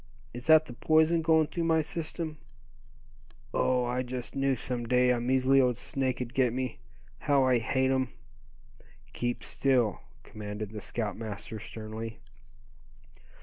Is that the poison going through my system? Oh! I just knew some day a measly old snake'd get me. How I hate 'em." "Keep still!" commanded the scoutmaster, sternly.